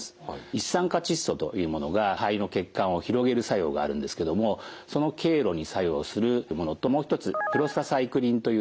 一酸化窒素というものが肺の血管を広げる作用があるんですけどもその経路に作用するものともう一つプロスタサイクリンというですね